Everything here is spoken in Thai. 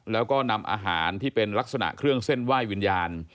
แล้วก็นำอาหารที่เป็นลักษณะเครื่องเส้นไหว้วิญญาณ